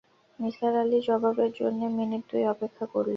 নিসার আলি জবাবের জন্যে মিনিট দুই অপেক্ষা করলেন।